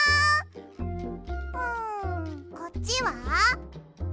うんこっちは？